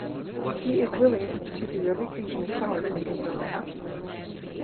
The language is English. He is willing to do everything in his power to make his daughter happy.